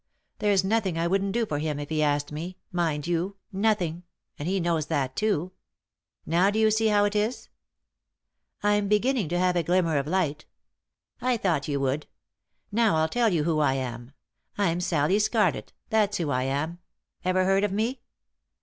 There's nothing I wouldn't do for him if he asked me — mind you, nothing 1 and he knows that too. Now do you see how it is ?"" I'm beginning to have a glimmer of light." " I thought you would. Now I'll tell you who I am. I'm Sallie Scarlett ; that's who I am. Ever heard of me